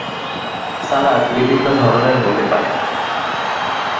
সালাদ বিভিন্ন ধরণের হতে পারে।